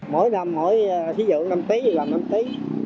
mỗi năm mỗi ví dụ năm tí thì làm năm tí